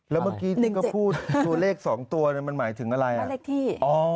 แล้วเมื่อกี้ที่เขาพูดตัวเลข๒ตัวมันหมายถึงอะไรอ่ะเลขที่